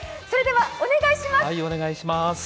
それではお願いします。